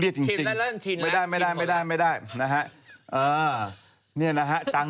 เรียกสิเดี๋ยวเขาเรียกจริง